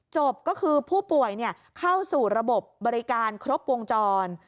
จบก็คือผู้ป่วยเข้าสู่ระบบบริการครบวงจร